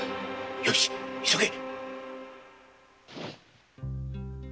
よし急げ！